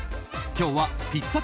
今日はピッツァ